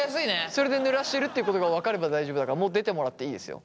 それでぬらしてるっていうことが分かれば大丈夫だからもう出てもらっていいですよ。